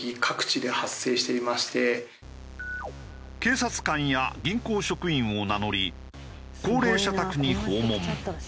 警察官や銀行職員を名乗り高齢者宅に訪問。